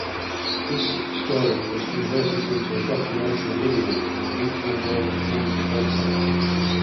This story was converted into a "documentary" video on the Weekly World News website.